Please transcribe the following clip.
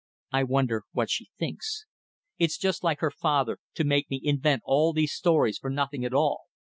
I wonder what she thinks. It's just like father to make me invent all these stories for nothing at all.